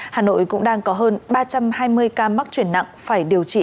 hà nội cũng đang có hơn ba trăm hai mươi ca mắc chuyển nặng phải điều trị